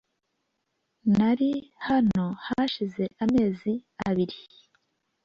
Nari hano hashize amezi abiri .